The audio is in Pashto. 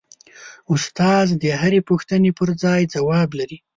استاد د هرې پوښتنې پرځای ځواب لري.